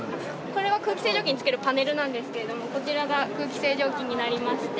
これは空気清浄機に付けるパネルなんですけれどもこちらが空気清浄機になりまして。